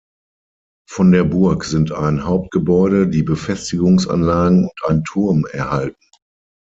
Von der Burg sind ein Hauptgebäude, die Befestigungsanlagen und ein Turm erhalten.